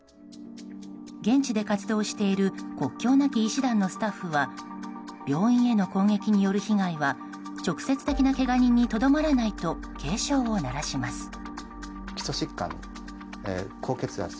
現地で活動している国境なき医師団のスタッフは病院への攻撃による被害は直接的なけが人にとどまらないと警鐘を鳴らします。